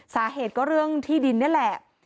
สาเหตุก็เรื่องที่ดินนี่แหละ